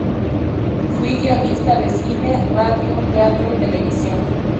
Fui guionista de cine, radio, teatro y televisión.